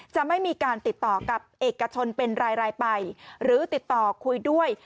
จะไม่มีการติดต่อกับเอกชนเป็นรายไปหรือติดต่อคุยด้วย